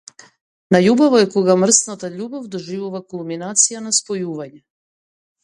Најубаво е кога мрсната љубов доживува кулминација на спојување.